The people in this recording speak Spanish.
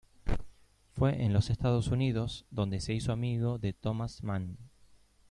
Fue en los Estados Unidos donde se hizo amigo de Thomas Mann.